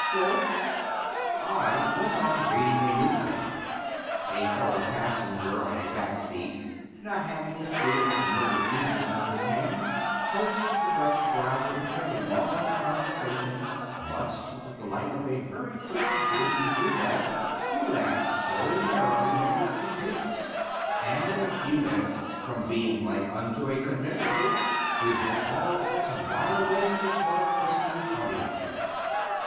So " I went on reading a newspaper: a fellow passenger, on a back seat, not having the fear of murdered English on his hands, coaxed the Dutch driver into a long conversation, much to the delight of a very pretty Jersey blue belle, who laughed so merrily that it was contagious; and in a few minutes, from being like unto a conventicle, we were all as wide awake as one of Christy's audiences.